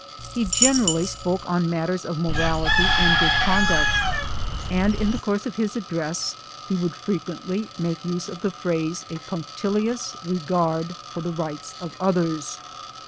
He gen erally spoke on matters of morality and good conduct, and in the course of his address he would frequently make use of the phrase, "a punctilious regard for the rights of others."